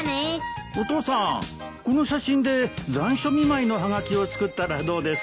お父さんこの写真で残暑見舞いのはがきを作ったらどうです？